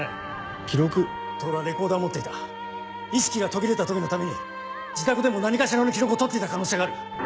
透はレコーダーを持っていた意識が途切れた時のために自宅でも何かしらの記録を取っていた可能性がある。